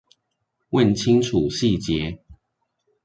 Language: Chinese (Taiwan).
問清楚細節